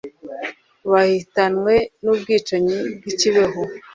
bahitamwe n'ubwicanyi bw'i kibeho.